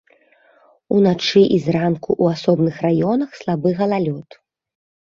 Уначы і зранку ў асобных раёнах слабы галалёд.